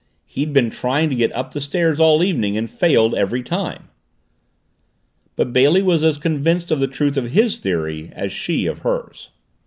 He'd been trying to get up the stairs all evening and failed every time." But Bailey was as convinced of the truth of his theory as she of hers.